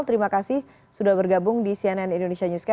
terima kasih sudah bergabung di cnn indonesia newscast